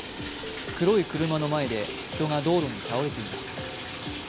黒い車の前で人が道路に倒れています。